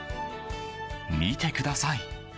見てください